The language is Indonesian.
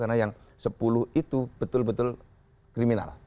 karena yang sepuluh itu betul betul kriminal